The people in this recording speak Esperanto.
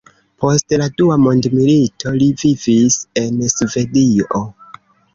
Post la dua mondmilito li vivis en Svedio.